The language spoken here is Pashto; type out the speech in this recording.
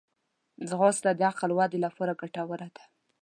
ځغاسته د عقل ودې لپاره ګټوره ده